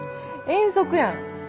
遠足やん。